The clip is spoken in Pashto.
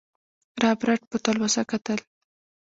رابرټ په تلوسه کتل.